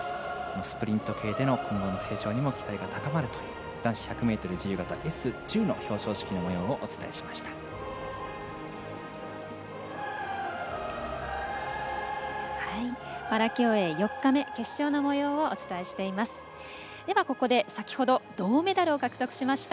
スプリント系での今後の成長にも期待が高まるという男子１００ｍ自由形Ｓ１０の表彰式のもようをお伝えしました。